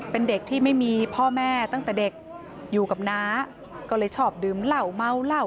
เป็นเด็กที่ไม่มีพ่อแม่ตั้งแต่เด็กอยู่กับน้าก็เลยชอบดื่มเหล้าเมาเหล้า